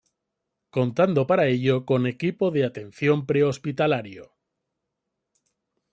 Contando para ello con equipo de atención pre-hospitalario.